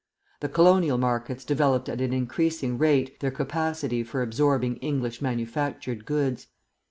The Colonial markets developed at an increasing rate their capacity for absorbing English manufactured goods.